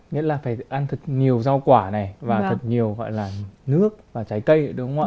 nghĩa là phải ăn thực nhiều rau quả này và thật nhiều gọi là nước và trái cây đúng không ạ